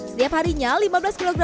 setiap harinya lima belas kg